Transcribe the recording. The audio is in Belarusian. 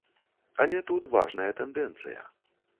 Але тут важная тэндэнцыя.